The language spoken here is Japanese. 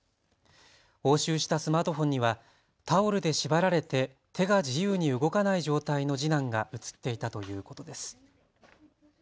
押収したスマートフォンにはタオルで縛られて手が自由に動かない状態の次男が写っていたということです。